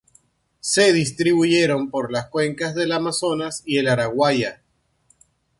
Se distribuyen por las cuencas del Amazonas y el Araguaia.